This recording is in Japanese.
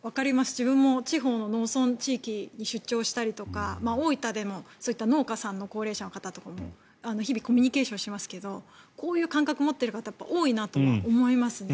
自分も地方の農村地域に出張したりとか大分でも農家さんの高齢者の方とかも日々コミュニケーションしますけどもこういう感覚を持っている方は多いなと思いますね。